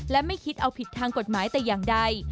และไม่คิดเอาผิดทางกฎหมายแต่อย่างใด